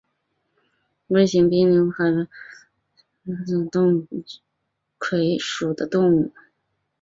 微型滨瘤海葵为蠕形海葵科滨瘤海葵属的动物。